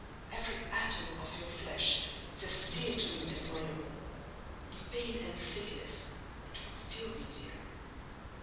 Every atom of your flesh is as dear to me as my own: in pain and sickness it would still be dear.